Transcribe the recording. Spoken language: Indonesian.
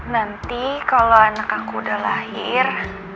nanti kalau anak aku udah lahir